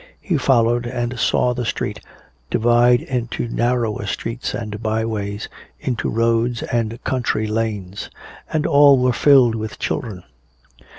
He followed and saw the street divide into narrower streets and bye ways, into roads and country lanes. And all were filled with children.